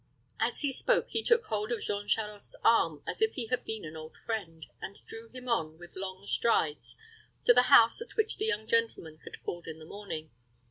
As he spoke, he took hold of Jean Charost's arm, as if he had been an old friend, and drew him on, with long strides, to the house at which the young gentleman had called in the morning.